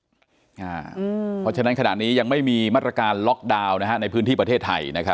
เพราะฉะนั้นขณะนี้ยังไม่มีมาตรการล็อกดาวน์ในพื้นที่ประเทศไทย